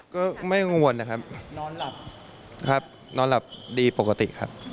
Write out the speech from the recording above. ก็ไม่กังวลนะครับนอนหลับครับนอนหลับดีปกติครับ